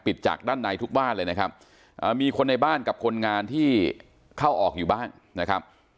จากด้านในทุกบ้านเลยนะครับมีคนในบ้านกับคนงานที่เข้าออกอยู่บ้างนะครับ